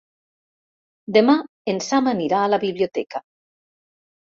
Demà en Sam anirà a la biblioteca.